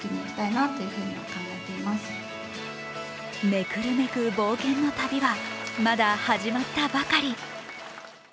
めくるめく冒険の旅はまだ始まったばかり。